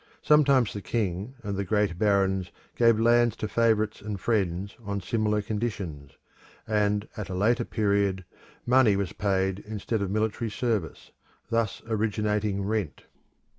Sometimes the king and the great barons gave lands to favourites and friends on similar conditions, and at a later period money was paid instead of military service, thus originating rent.